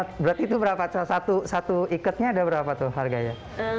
berat itu berapa satu ikatnya ada berapa tuh harganya